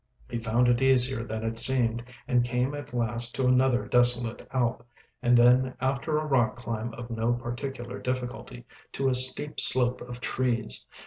He found it easier than it seemed, and came at last to another desolate alp, and then after a rock climb of no particular difficulty, to a steep slope of trees.